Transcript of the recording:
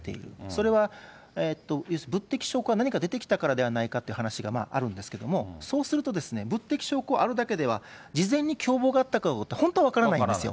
それは物的証拠が何か出てきたからではないかという話があるんですけども、そうすると物的証拠あるだけでは事前に共謀があったかは本当は分からないんですよ。